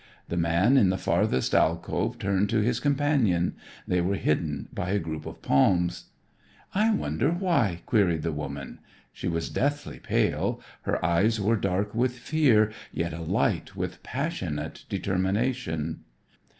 The man in the farthest alcove turned to his companion. They were hidden by a group of palms. "I wonder why?" queried the woman. She was deathly pale. Her eyes were dark with fear, yet alight with passionate determination.